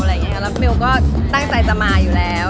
แล้วเบลก็ตั้งใจจะมาอยู่แล้ว